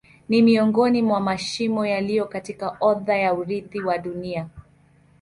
Ni miongoni mwa mashimo yaliyo katika orodha ya urithi wa Dunia.